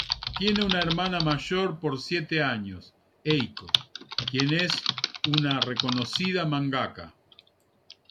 Tiene una hermana mayor por siete años, Eiko, quien es una reconocida mangaka.